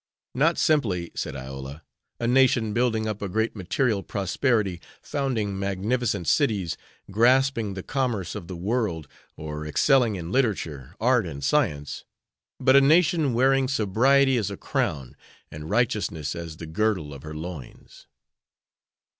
"Not simply," said Iola, "a nation building up a great material prosperity, founding magnificent cities, grasping the commerce of the world, or excelling in literature, art, and science, but a nation wearing sobriety as a crown and righteousness as the girdle of her loins."